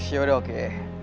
ya udah oke